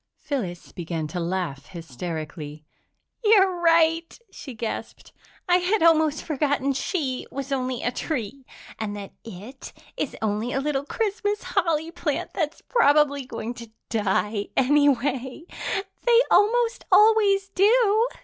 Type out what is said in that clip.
Phyllis began to laugh hysterically. "You're right!" she gasped. "I had almost forgotten she was only a tree. And that it is only a little Christmas holly plant that's probably going to die, anyway they almost always do."